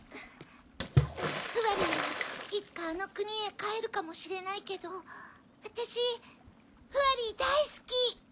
フワリーはいつかあのくにへかえるかもしれないけどわたしフワリーだいすき！